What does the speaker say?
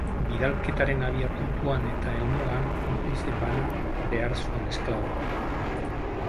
Bidalketaren abiapuntuan eta helmugan konplize bana behar zuen esklaboak.